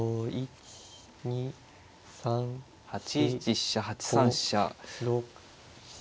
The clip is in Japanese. ８一飛車８三飛車。